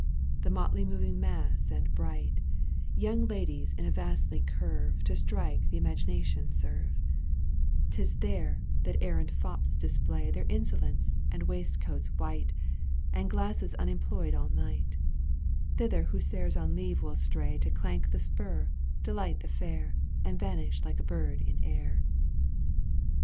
The motley moving mass and bright, Young ladies in a vasty curve, To strike imagination serve. 'Tis there that arrant fops display Digitized by CjOOQ 1С 216 EUGENE ONEGUINE. canto vii. Their insolence and waistcoats white And glasses unemployed all night ; Thither hussars on leave will stray To clank the spur, delight the fair — And vanish like a bird in air.